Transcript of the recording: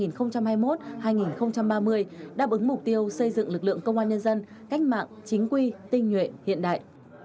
năm hai nghìn hai mươi một hai nghìn ba mươi đáp ứng mục tiêu xây dựng lực lượng công an nhân dân cách mạng chính quy tinh nhuệ hiện đại